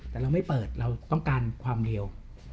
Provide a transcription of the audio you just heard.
แต่เราไม่เปิดเราต้องการความเร็ว